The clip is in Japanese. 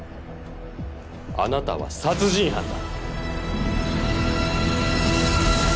あなたは殺人犯だ！